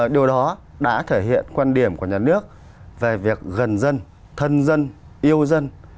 điều đó đã thể hiện quan điểm của nhà nước về việc gần dân thân dân yêu dân